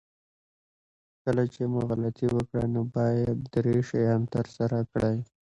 کله چې مو غلطي وکړه نو باید درې شیان ترسره کړئ.